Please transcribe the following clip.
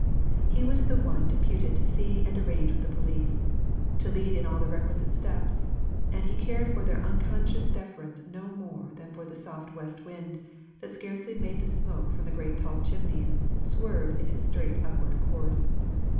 He was the one deputed to see and arrange with the police to lead in all the requisite steps. And he cared for their unconscious deference no more than for the soft west wind, that scarcely made the smoke from the great tall chimneys swerve in its straight upward course.